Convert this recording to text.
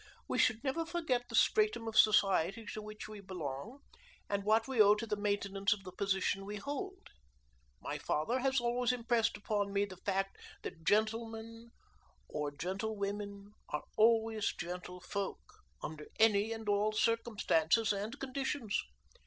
"We should never forget the stratum of society to which we belong, and what we owe to the maintenance of the position we hold. My father has always impressed upon me the fact that gentlemen or gentlewomen are always gentle folk under any and all circumstances and conditions.